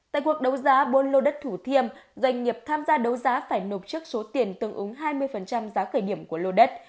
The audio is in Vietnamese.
tại cuộc đấu giá bốn lô đất thủ thiêm doanh nghiệp tham gia đấu giá phải nộp trước số tiền tương ứng hai mươi giá khởi điểm của lô đất